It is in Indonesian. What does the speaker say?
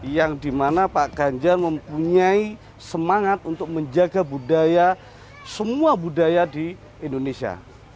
yang dimana pak ganjar mempunyai semangat untuk menjaga budaya semua budaya di indonesia